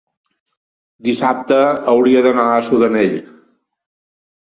dissabte hauria d'anar a Sudanell.